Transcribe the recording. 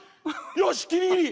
よしギリギリ！